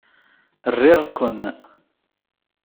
Riɣ-ken.